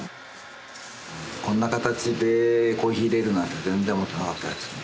こんな形でコーヒーいれるなんて全然思ってなかったですね。